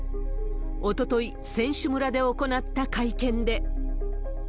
おととい、選手村で行った会見で。